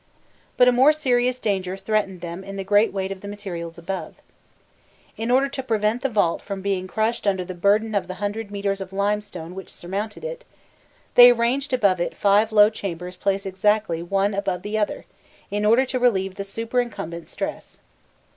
* But a more serious danger threatened them in the great weight of the materials above. In order to prevent the vault from being crushed under the burden of the hundred metres of limestone which surmounted it, they arranged above it five low chambers placed exactly one above the other in order to relieve the superincumbent stress.